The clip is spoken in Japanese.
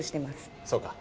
そうか。